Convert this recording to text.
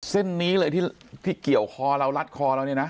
เส้นนี้เลยที่เกี่ยวคอเรารัดคอเราเนี่ยนะ